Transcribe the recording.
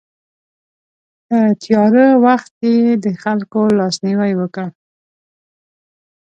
په تیاره وخت کې یې د خلکو لاسنیوی وکړ.